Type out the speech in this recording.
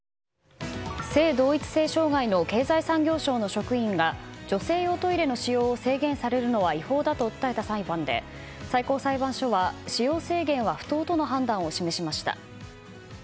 性同一性障害の経済産業省の職員が女性用トイレの使用を制限されるのは違法だと訴えた裁判で最高裁判所は使用制限は不当との判断を示しました。